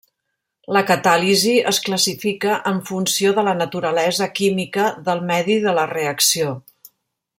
La catàlisi es classifica en funció de la naturalesa química del medi de la reacció.